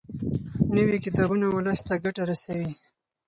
نوي کتابونه ولس ته ګټه رسوي.